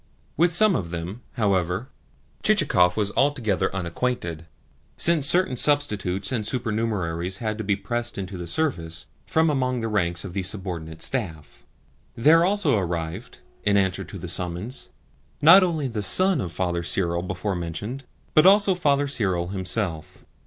With some of them, however, Chichikov was altogether unacquainted, since certain substitutes and supernumeraries had to be pressed into the service from among the ranks of the subordinate staff. There also arrived, in answer to the summons, not only the son of Father Cyril before mentioned, but also Father Cyril himself.